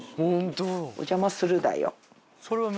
お邪魔するだよ。